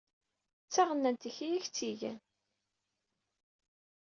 D taɣennant-ik i ak-tt-igan.